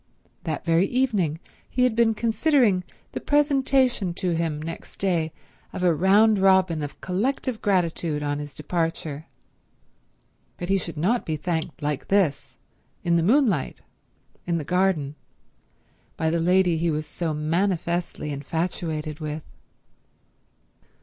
That very evening he had been considering the presentation to him next day of a round robin of collective gratitude on his departure; but he should not be thanked like this, in the moonlight, in the garden, by the lady he was so manifestly infatuated with.